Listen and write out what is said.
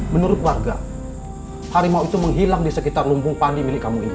menurut warga harimau itu menghilang di sekitar lumbung pandi milik kamu ini